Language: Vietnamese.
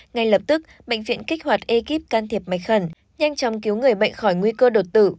ngay lập tức bệnh viện kích hoạt ekip can thiệp mạch khẩn nhanh chóng cứu người bệnh khỏi nguy cơ đột tử